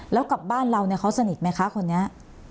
แล้วกลับบ้านเราเนี่ยเขาสนิทไหมคะคนนี้